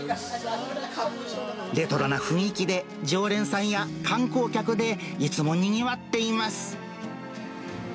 レトロな雰囲気で、常連さんや観光客でいつもにぎわっています。